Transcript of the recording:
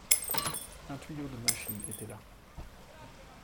Un tuyau de machine était là.